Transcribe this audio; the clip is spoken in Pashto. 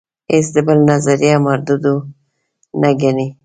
هیڅ د بل نظریه مرودوده نه ګڼي.